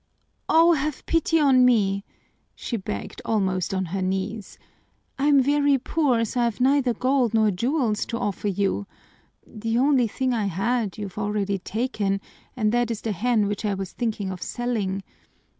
"Oh, have pity on me!" she begged, almost on her knees. "I'm very poor, so I've neither gold nor jewels to offer you. The only thing I had you've already taken, and that is the hen which I was thinking of selling.